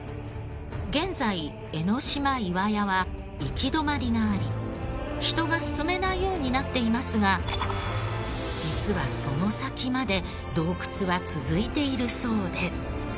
現在江の島岩屋は行き止まりがあり人が進めないようになっていますが実はその先まで洞窟は続いているそうで。